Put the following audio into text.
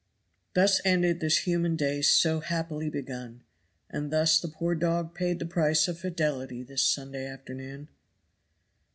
Thus ended this human day so happily begun; and thus the poor dog paid the price of fidelity this Sunday afternoon.